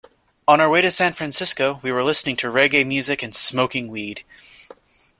On our way to San Francisco, we were listening to reggae music and smoking weed.